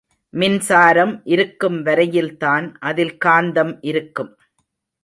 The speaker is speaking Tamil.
மின்சாரம் இருக்கும் வரையில்தான் அதில் காந்தம் இருக்கும்.